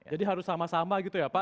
jadi harus sama sama gitu ya pak